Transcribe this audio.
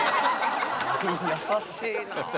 優しいなあ。